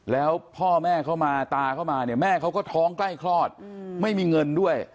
แล้วพ่อแม่เขามาตาเข้ามาเนี่ยแม่เขาก็ท้องใกล้คลอดไม่มีเงินด้วย